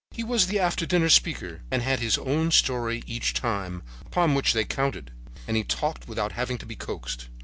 He was the after dinner speaker and had his own story each time, upon which they counted, and he talked without having to be coaxed.